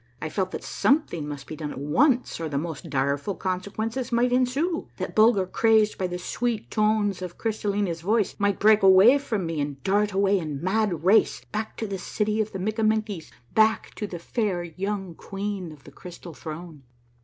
I felt that something must be done at once, or the most direful consequences might ensue — that Bulger, crazed by the sweet tones of Crystallina's voice, might break away from me and dart away in mad race back to the city of the Mikkamenkies, back to the fair young queen of the Crystal Throne.